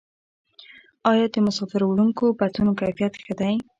آیا د مسافروړونکو بسونو کیفیت ښه دی؟